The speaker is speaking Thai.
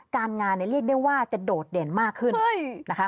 การงานเนี่ยเรียกได้ว่าจะโดดเด่นมากขึ้นนะคะ